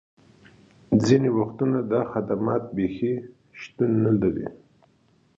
ځینې وختونه دا خدمات بیخي شتون نه لري